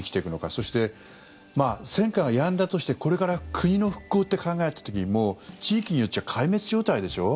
そして、戦火がやんだとしてこれから国の復興と考えた時にももう地域によっては壊滅状態でしょ。